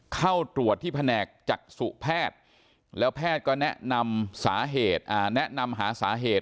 เข้าตรวจที่แผนกจักษุแพทย์แล้วแพทย์ก็แนะนำหาสาเหตุ